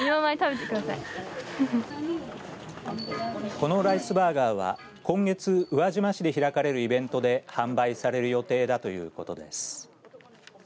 このライスバーガーは今月宇和島市で開かれるイベントで販売される予定だということです。